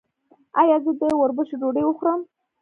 ایا زه د وربشو ډوډۍ وخورم؟